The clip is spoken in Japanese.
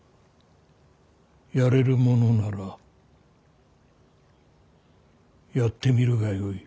やれるものならやってみるがよい。